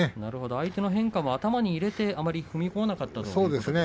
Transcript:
相手の変化も頭に入れて踏み込まなかったんですね。